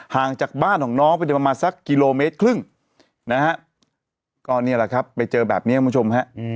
ห่างจากบ้านของน้องไปประมาณสักกิโลเมตรครึ่งนะฮะก็นี่แหละครับไปเจอแบบนี้คุณผู้ชมฮะ